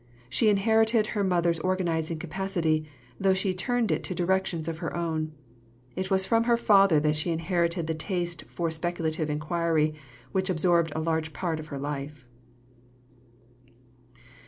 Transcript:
She inherited her mother's organising capacity, though she turned it to directions of her own. It was from her father that she inherited the taste for speculative inquiry which absorbed a large part of her life.